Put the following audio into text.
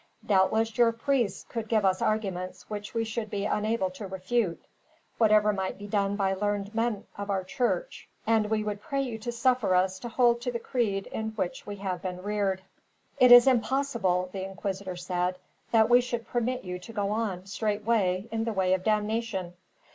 Doubtless your priests could give us arguments which we should be unable to refute, whatever might be done by learned men of our church; and we would pray you to suffer us to hold to the creed in which we have been reared." "It is impossible," the inquisitor said, "that we should permit you to go on, straightway, in the way of damnation.